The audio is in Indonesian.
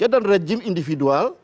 dan rejim individual